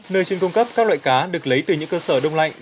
nơi chuyên cung cấp các loại cá được lấy từ những cơ sở đông lạnh